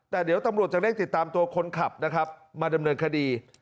แต่เดี๋ยวตำรวจจะเร่งติดตามตัวคนขับนะครับมาดำเนินคดี